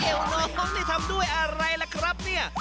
น้องนี่ทำด้วยอะไรล่ะครับเนี่ย